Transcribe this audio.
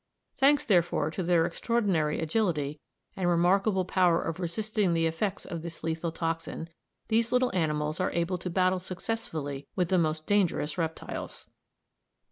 Thanks, therefore, to their extraordinary agility and remarkable power of resisting the effects of this lethal toxin, these little animals are able to battle successfully with the most dangerous reptiles.